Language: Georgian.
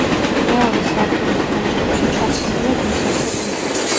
მეორე სართულის ფანჯრებში ჩასმულია გისოსები.